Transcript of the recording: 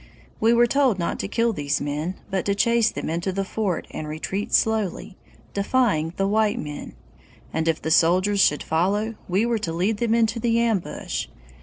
We were told not to kill these men, but to chase them into the fort and retreat slowly, defying the white men; and if the soldiers should follow, we were to lead them into the ambush.